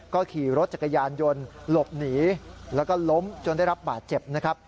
ก็ขี่รถจักรยานยนต์หลบหนีแล้วก็ล้มจนได้รับบาดเจ็บนะครับ